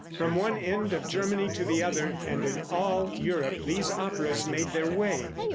From one end of Germany to the other, and in all Europe, these operas made their way.